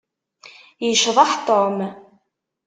Yecḍeḥ Tom.